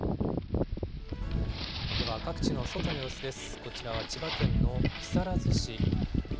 では、各地の外の様子です。